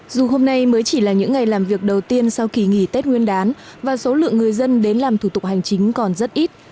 dù hôm nay mới chỉ là những ngày làm việc đầu tiên sau kỳ nghỉ tết nguyên đán và số lượng người dân đến làm thủ tục hành chính còn rất ít